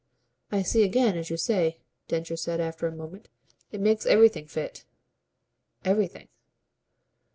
"I see again, as you say," Densher said after a moment. "It makes everything fit." "Everything."